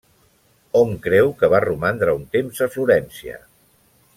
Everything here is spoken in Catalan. Hom creu que va romandre un temps a Florència.